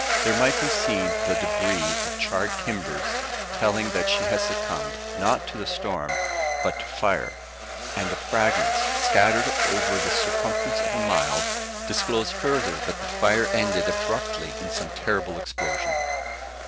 There might be seen the debris of charred timbers, telling that she has succumbed, not to the storm, but to fire; and the fragments, scattered over the circumference of a mile, disclose further that the fire ended abruptly in some terrible explosion.